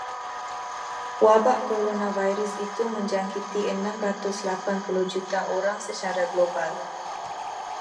Wabak koronavirus itu menjangkiti enam ratus lapan puluh juta orang secara global.